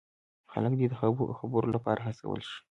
خلک دې د خبرو لپاره هڅول شي.